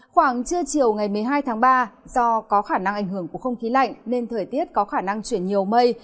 khoảng trưa chiều ngày một mươi hai tháng ba do có khả năng ảnh hưởng của không khí lạnh nên thời tiết có khả năng chuyển nhiều mây